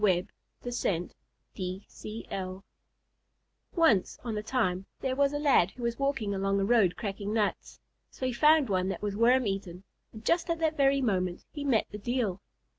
IV THE LAD AND THE DEIL Once on a time there was a lad who was walking along a road cracking nuts, so he found one that was worm eaten, and just at that very moment he met the Deil.